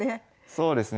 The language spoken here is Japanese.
そうですね。